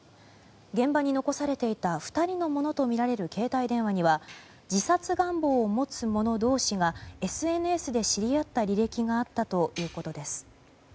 現場に残されていた２人のものとみられる携帯電話には自殺願望を持つ者同士がＳＮＳで知り合った履歴があったということです。